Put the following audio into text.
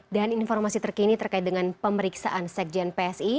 dan informasi terkini terkait dengan pemeriksaan sekjen psi